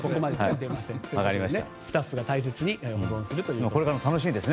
スタッフが大切に保存するということです。